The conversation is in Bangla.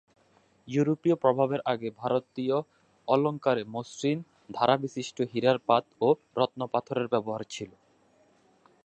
ইউরোপীয় প্রভাবের আগে ভারতীয় অলঙ্কারে মসৃণ ধারবিশিষ্ট হীরার পাত ও রত্নপাথরের ব্যবহার ছিল।